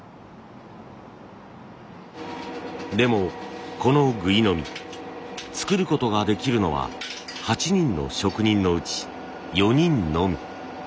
でもこのぐいのみ作ることができるのは８人の職人のうち４人のみ。